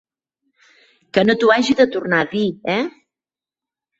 Que no t'ho hagi de tornar a dir, eh?